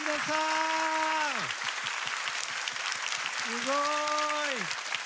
すごい！